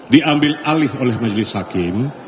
diambil alih oleh majelis hakim